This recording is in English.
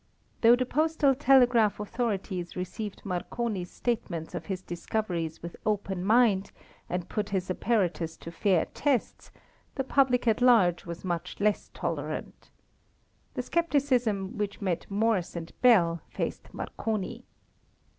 Though the postal telegraph authorities received Marconi's statements of his discoveries with open mind and put his apparatus to fair tests, the public at large was much less tolerant. The skepticism which met Morse and Bell faced Marconi.